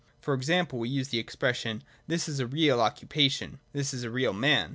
For example, we use the expression : This is a real occupation : This is a real man.